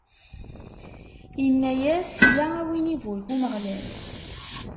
Inna-yas: Yya a win iburek Umeɣlal!